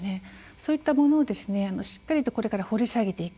そういったものをしっかりとこれから掘り下げていく。